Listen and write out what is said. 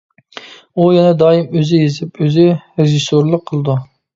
ئۇ يەنە دائىم ئۆزى يېزىپ، ئۆزى رېژىسسورلۇق قىلىدۇ.